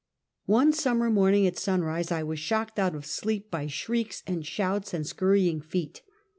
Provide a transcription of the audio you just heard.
One summer morning at sunrise I was shocked out of sleep by shrieks and shouts and scurrying feet.